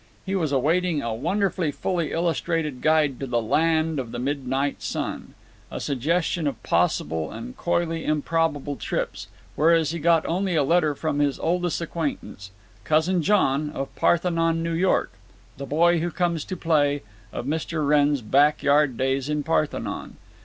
He was awaiting a wonderful fully illustrated guide to the Land of the Midnight Sun, a suggestion of possible and coyly improbable trips, whereas he got only a letter from his oldest acquaintance—Cousin John, of Parthenon, New York, the boy who comes to play of Mr. Wrenn's back yard days in Parthenon.